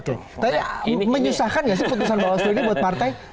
tapi menyusahkan nggak sih putusan mbak waslu ini buat partai